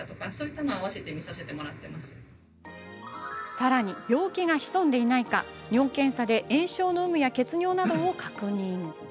さらに、病気が潜んでいないか尿検査で炎症の有無や血尿などを確認。